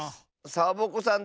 サボ子さん